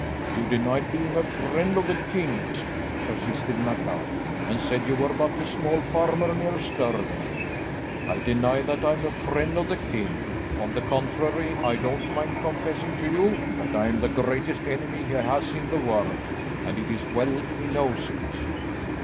"You denied being a friend of the king's," persisted MacLeod, "and said you were but a small farmer near Stirling." "I deny yet that I am a friend of the king. On the contrary, I don't mind confessing to you that I am the greatest enemy he has in the world, and it's well he knows it."